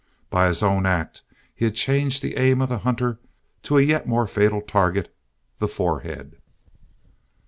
By his own act he had changed the aim of the hunter to a yet more fatal target the forehead.